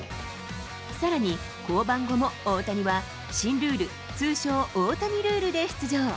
さらに、降板後も大谷は新ルール、通称、大谷ルールで出場。